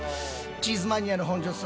チーズマニアの本上さん